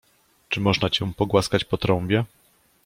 — Czy można cię pogłaskać po trąbie?